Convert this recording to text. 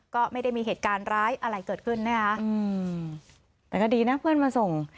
ก็ไม่ได้มีเหตุการณ์ร้ายอะไรเกิดขึ้นนะคะอืมแต่ก็ดีนะเพื่อนมาส่ง